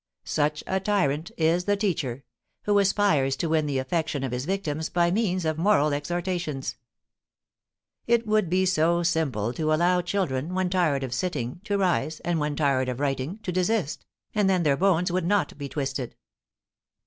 Such a tyrant is the teacher, who aspires to win the affection of his victims by means of moral exhortations. It would be so simple to allow children, when tired of sitting, to rise, and when tired of writing, to desist, and then their bones would not be twisted.